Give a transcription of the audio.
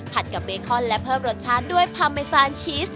กับเบคอนและเพิ่มรสชาติด้วยพาเมซานชีส